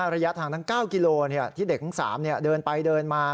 ระยะทางทั้ง๙กิโลที่เด็กทั้ง๓เดินไปเดินมา